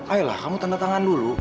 ayolah kamu tanda tangan dulu